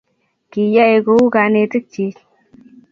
kiyoe kou kanetik kyi